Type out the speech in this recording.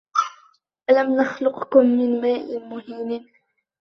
أَلَم نَخلُقكُم مِن ماءٍ مَهينٍ